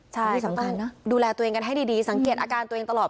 ใช่ดูแลตัวเองกันให้ดีสังเกตอาการตัวเองตลอด